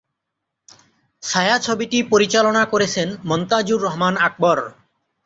ছায়াছবিটি পরিচালনা করেছেন মনতাজুর রহমান আকবর।